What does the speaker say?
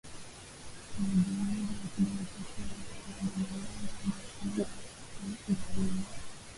Mu jamuri ya ki democratia ya kongo bana lomba bantu bote barime